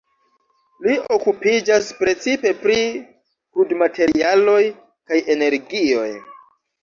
Li okupiĝas precipe pri krudmaterialoj kaj energioj.